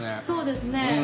そうですね。